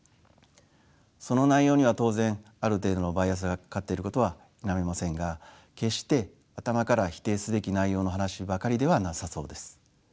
その内容には当然ある程度のバイアスがかかっていることは否めませんが決して頭から否定すべき内容の話ばかりではなさそうです。